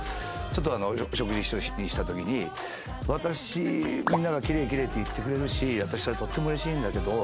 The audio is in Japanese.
ちょっとお食事一緒にした時に「私みんながきれいきれいって言ってくれるし私それとっても嬉しいんだけど」。